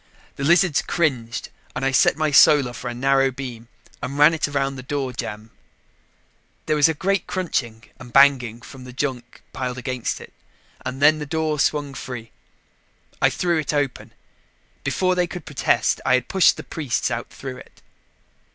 The lizards cringed and I set my Solar for a narrow beam and ran it around the door jamb. There was a great crunching and banging from the junk piled against it, and then the door swung free. I threw it open. Before they could protest, I had pushed the priests out through it.